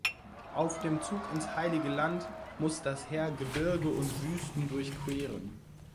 Auf dem Zug ins Heilige Land muss das Heer Gebirge und Wüsten durchqueren.